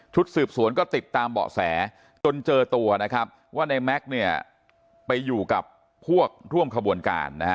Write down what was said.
ชุดสืบสวนก็ติดตามเบาะแสจนเจอตัวว่าในแมคคิสเนอร์ไปอยู่กับพวกร่วมขบวนการ